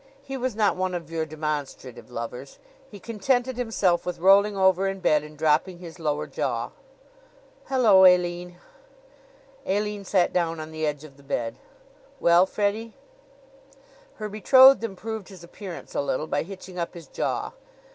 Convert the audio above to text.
He was not one of your demonstrative lovers. He contented himself with rolling over in bed and dropping his lower jaw. "Hello, Aline!" Aline sat down on the edge of the bed. "Well, Freddie?" Her betrothed improved his appearance a little by hitching up his jaw.